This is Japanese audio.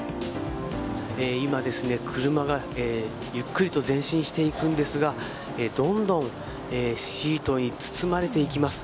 今、車がゆっくりと前進していくんですがどんどんシートに包まれていきます。